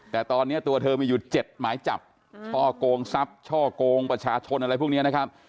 แต่ตอนนี้ตัวเธอมีอยู่๗หมายจับช่อกงทรัพย์ช่อกงประชาชนอะไรพวกนี้นะครับ